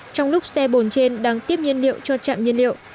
trong lúc xe bồn trên đang tiếp nhiên liệu cho trạm nhiên liệu